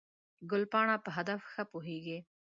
ګلپاڼه په هدف ښه پوهېږي.